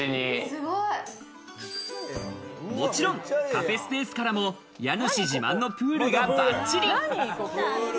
もちろんカフェスペースからも家主自慢のプールがバッチリ。